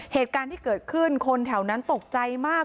เหตุการณ์ที่เกิดขึ้นคนแถวนั้นตกใจมาก